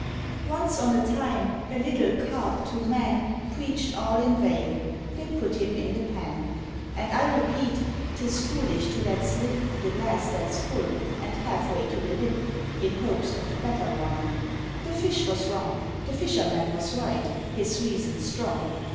Once on a time, a little Carp to man Preached all in vain; they put him in the pan. And I repeat, 'tis foolish to let slip The glass that's full, and half way to the lip, In hopes of better wine. The fish was wrong; The fisherman was right, his reason strong.